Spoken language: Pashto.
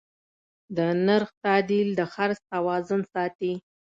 د نرخ تعدیل د خرڅ توازن ساتي.